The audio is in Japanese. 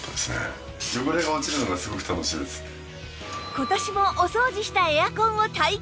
今年もお掃除したエアコンを体験！